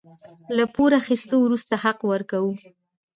له پور اخيستو وروسته حق ورکوو.